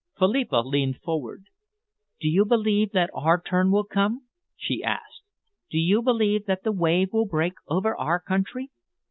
Philippa leaned forward. "Do you believe that our turn will come?" she asked. "Do you believe that the wave will break over our country?"